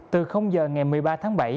từ giờ ngày một mươi ba tháng một